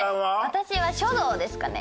私は書道ですかね。